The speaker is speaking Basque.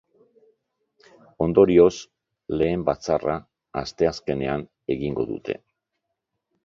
Ondorioz, lehen batzarra asteazkenean egingo dute.